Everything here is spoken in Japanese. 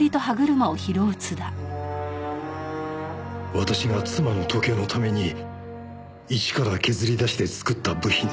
私が妻の時計のために一から削り出して作った部品でした。